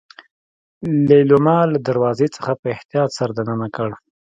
ليلما له دروازې نه په احتياط سر دننه کړ.